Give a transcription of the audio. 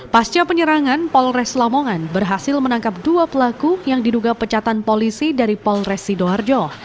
pasca penyerangan polres lamongan berhasil menangkap dua pelaku yang diduga pecatan polisi dari polres sidoarjo